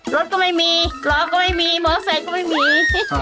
รถก็ไม่มีล้อก็ไม่มีมอเซก็ไม่มี